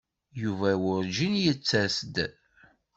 Yuba werǧin yettas-d.